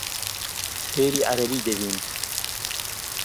فێری عەرەبی دەبین.